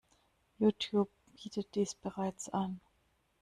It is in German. YouTube bietet dies bereits an.